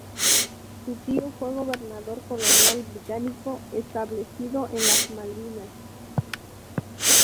Su tío fue gobernador colonial británico establecido en las Malvinas.